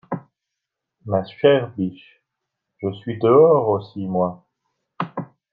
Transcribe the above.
Ma chère biche, je suis dehors aussi, moi!